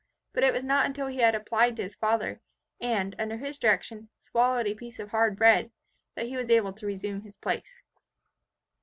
But it was not until he had applied to his father, and, under his direction, swallowed a piece of hard bread, that he was able to resume his place.